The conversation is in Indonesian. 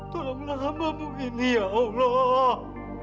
tolonglah samamu ini ya allah